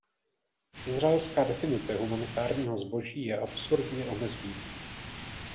Izraelská definice humanitárního zboží je absurdně omezující.